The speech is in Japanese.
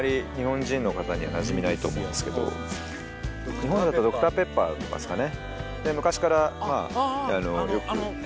日本だとドクターペッパーとかですかね。